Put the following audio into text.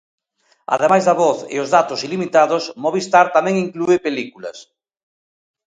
Ademais da voz e os datos ilimitados, Movistar tamén inclúe películas.